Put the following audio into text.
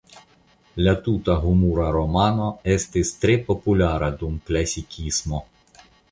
La tuta humura romano estis tre populara dum Klasikismo.